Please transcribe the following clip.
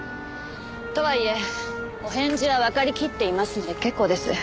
とはいえお返事はわかりきっていますので結構です。